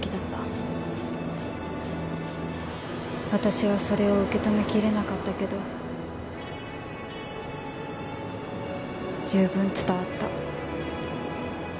私はそれを受け止めきれなかったけど十分伝わった。